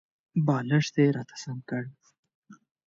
بالښت یې راته سم کړ .